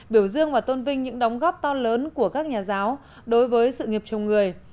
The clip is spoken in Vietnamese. biểu dương và tôn vinh những đóng góp to lớn của các nhà giáo đối với sự nghiệp chồng người